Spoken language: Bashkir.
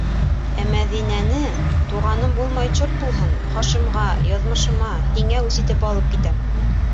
- Ә Мәҙинәне... туғаным булмай черт булһын, Хашимға. яҙмышыма, һиңә үс итеп алып китәм!